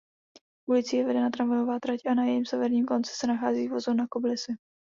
Ulicí je vedena tramvajová trať a na jejím severním konci se nachází vozovna Kobylisy.